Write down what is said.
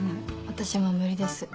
私も無理です。